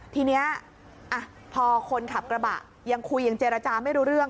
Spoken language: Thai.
ทีนี้พอคนขับกระบะยังคุยยังเจรจาไม่รู้เรื่อง